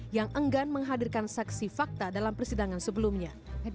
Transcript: yang enggan menghadirkan saksi fakta dalam persidangan sebelumnya